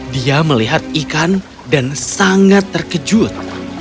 dia melihat ikan dan sangat terkejut